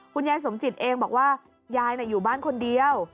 คุณยายสมจิตเองบอกว่ายายอยู่บ้านคนเดียว